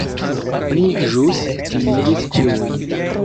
Mi ĵus timigis ĉiujn.